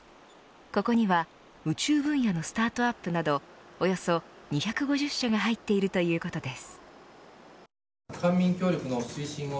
ここには宇宙分野のスタートアップなどおよそ２５０社が入っているということです。